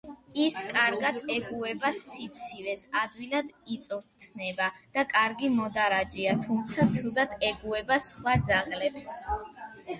ის კარგად ეგუება სიცივეს, ადვილად იწვრთნება და კარგი მოდარაჯეა, თუმცა ცუდად ეგუება სხვა ძაღლებს.